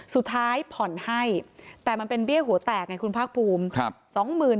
สุดท้ายผ่อนให้แต่มันเป็นเบี้ยหัวแตกไงคุณภาคภูมิ